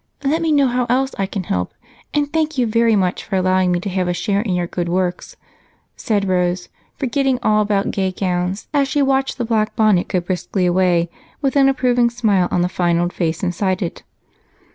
"Let me know how else I can help, and thank you very much for allowing me to have a share in your good works," said Rose, forgetting all about gay gowns as she watched the black bonnet go briskly away with an approving smile on the fine old face inside it.